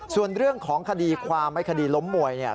ส่วนเรื่องของคดีความและคดีล้มมวย